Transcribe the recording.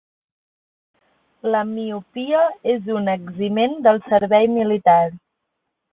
La miopia és un eximent del servei militar.